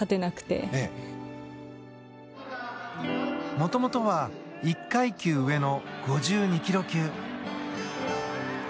もともとは１階級上の５２ｋｇ級。